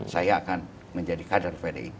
saya akan menjadi kader pdip